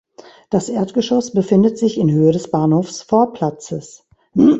Das Erdgeschoss befindet sich in Höhe des Bahnhofsvorplatzes.